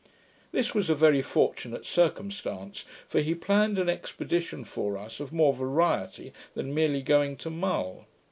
This was a very fortunate circumstance; for he planned an expedition for us of more variety than merely going to Mull.